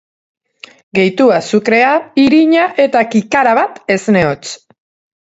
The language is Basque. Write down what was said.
Gehitu azukrea, irina eta kikara bat esne hotz.